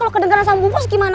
kalau kedengeran sama bubus gimana